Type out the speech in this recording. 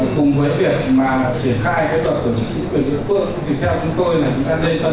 cùng với việc mà triển khai kế hoạch của chính quyền địa phương